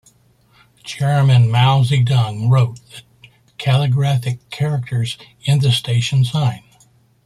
Chairman Mao Zedong wrote the calligraphic characters in the station sign.